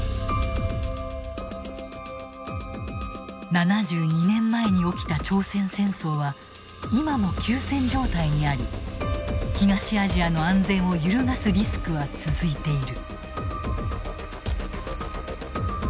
７２年前に起きた朝鮮戦争は今も休戦状態にあり東アジアの安全を揺るがすリスクは続いている。